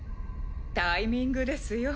タイミングですよ。